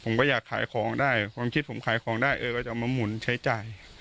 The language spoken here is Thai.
ผมก็อยากขายของได้ความคิดผมขายของได้เออก็จะเอามาหมุนใช้จ่าย